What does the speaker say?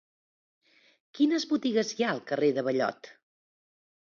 Quines botigues hi ha al carrer de Ballot?